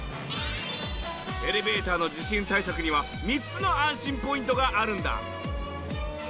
エレベーターの地震対策には３つの安心ポイントがあるんだ。